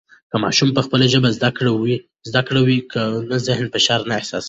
که ماشوم په خپله ژبه زده کړه و کي نو ذهني فشار نه احساسوي.